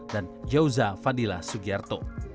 dan jauza fadila sugierto